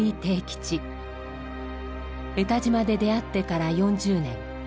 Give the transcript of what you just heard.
江田島で出会ってから４０年。